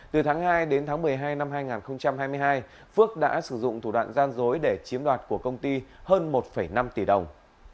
từ tháng hai đến tháng một mươi hai năm hai nghìn hai mươi hai phước đã sử dụng thủ đoạn gian dối để chiếm đoạt của công ty hơn một năm tỷ đồng